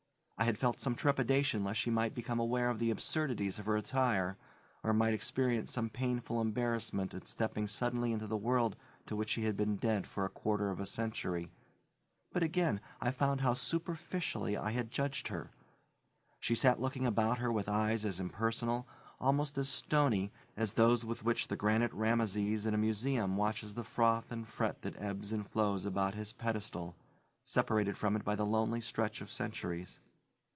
I had felt some trepidation lest she might become aware of the absurdities of her attire, or might experience some painful embarrassment at stepping suddenly into the world to which she had been dead for a quarter of a century. But, again, I found how superficially I had judged her. She sat looking about her with eyes as impersonal, almost as stony, as those with which the granite Rameses in a museum watches the froth and fret that ebbs and flows about his pedestal separated from it by the lonely stretch of centuries.